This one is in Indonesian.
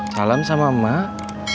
salam sama emak